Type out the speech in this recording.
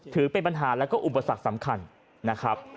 ถือเป็นปัญหาแล้วก็อุปสรรคสำคัญนะครับ